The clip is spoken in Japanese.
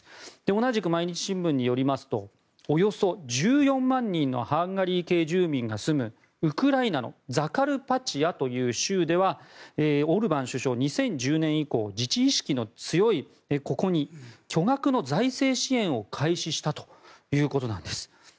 同じく毎日新聞によりますとおよそ１４万人のハンガリー系住民が住むウクライナのザカルパチアという州ではオルバン首相は２０１０年以降自治意識の強いここに巨額の財政支援を開始したということなんです。